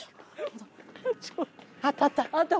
あったあった！